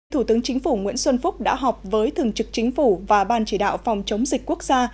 thủ tướng chính phủ nguyễn xuân phúc đã họp với thường trực chính phủ và ban chỉ đạo phòng chống dịch quốc gia